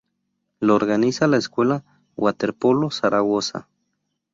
Lo organiza la Escuela Waterpolo Zaragoza.